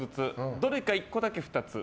どれか１個だけ２つ。